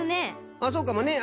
あっそうかもね。